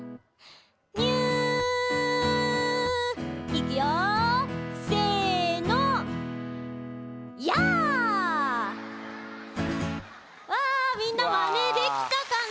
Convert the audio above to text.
いくよせの。わみんなマネできたかな？